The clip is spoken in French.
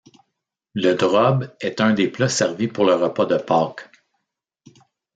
Le drob est un des plats servis pour le repas de Pâques.